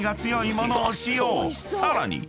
［さらに